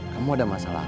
kamu ada masalah